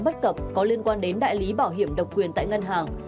bất cập có liên quan đến đại lý bảo hiểm độc quyền tại ngân hàng